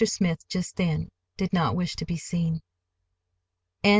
Smith, just then, did not wish to be seen.